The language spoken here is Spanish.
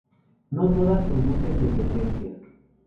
No todas producen dependencia.